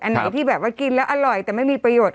อันไหนที่กินแล้วอร่อยแต่ไม่มีประโยชน์